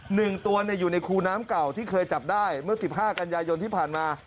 หนึ่งตัวเนี่ยอยู่ในคูน้ำเก่าที่เคยจับได้เมื่อสิบห้ากันยายนที่ผ่านมา